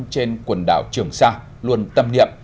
trên quần đảo trường sa luôn tâm niệm